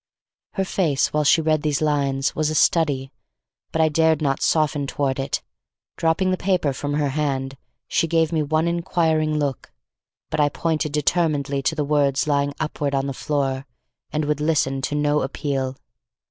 Her face while she read these lines, was a study, but I dared not soften toward it. Dropping the paper from her hand, she gave me one inquiring look. But I pointed determinedly to the words lying upward on the floor, and would listen to no appeal.